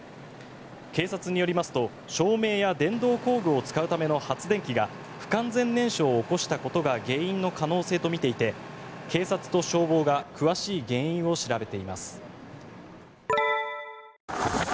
警察によりますと照明や電動工具を使うための発電機が不完全燃焼を起こしたことが原因の可能性とみていて警察と消防が詳しい原因を調べています。